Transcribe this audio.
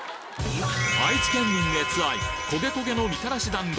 愛知県民熱愛焦げ焦げのみたらし団子